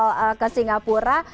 pakai kapal ke singapura